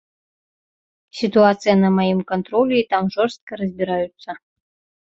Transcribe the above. Сітуацыя на маім кантролі, і там жорстка разбіраюцца.